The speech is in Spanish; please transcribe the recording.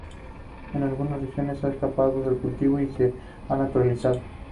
En algunas regiones ha escapado de cultivo y se ha naturalizado.